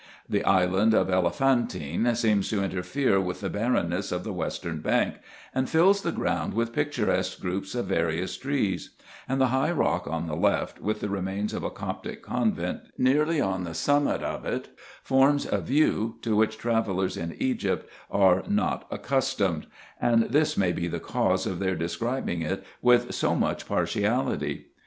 The island of Elephantine seems to interfere with the barrenness of the western bank, and fills the ground with picturesque groups of various trees ; and the high rock on the left, with the remains of a Coptic convent nearly on the summit of it, forms a view, to which travellers in Egypt are not accustomed ; and this may be the cause of their describing it with so much partiality.